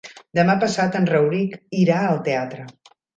Demà passat en Rauric irà al teatre.